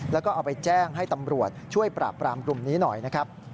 แล้วก็เอาไปแจ้งให้ตำรวจช่วยปราบปรามกลุ่มนี้หน่อยนะครับ